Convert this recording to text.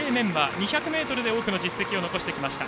２００ｍで多くの実績を残してきました。